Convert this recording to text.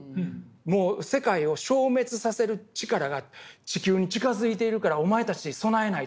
もう世界を消滅させる力が地球に近づいているからお前たち備えないといけない。